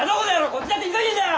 こっちだって急いでんだよ！